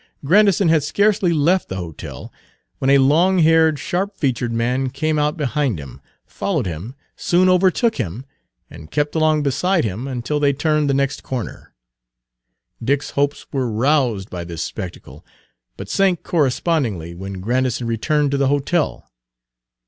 Grandison had scarcely left the hotel when a long haired, sharp featured man came out behind him, followed him, soon overtook him, and kept along beside him until they turned the next corner. Dick's hopes were roused by this spectacle, but sank correspondingly when Grandison returned to the hotel.